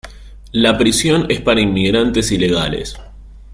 La prisión es para inmigrantes ilegales.